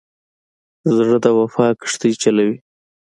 زړه د وفا کښتۍ چلوي.